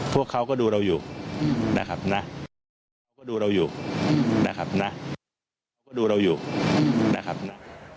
พวกเขาก็ดูเราอยู่นะครับนะ